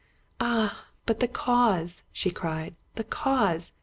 " "Ah, but the cause!" she cried, "the cause!